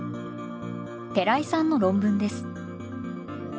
寺井さんの論文です。